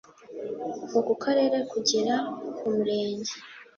kuva ku Karere kugera ku murenge